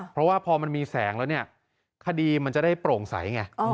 เพราะว่าพอมันมีแสงแล้วเนี่ยคดีมันจะได้โปร่งใสไง